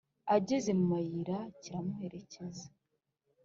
Ageze mu mayira kiramuhereza